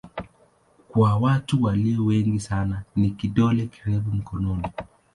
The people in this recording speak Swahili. Kwa watu walio wengi sana ni kidole kirefu mkononi.